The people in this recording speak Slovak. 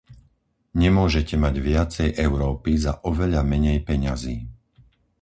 Nemôžete mať viacej Európy za oveľa menej peňazí.